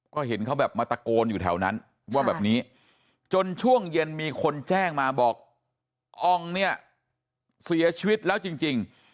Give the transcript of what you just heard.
ก็เห็นเขาแบบมาตะโกนอยู่แถวนั้นว่าแบบนี้จนช่วงเย็นมีคนแจ้งมาบอกอองเนี่ยเสียชีวิตแล้วจริง